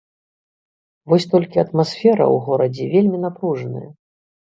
Вось толькі атмасфера ў горадзе вельмі напружаная.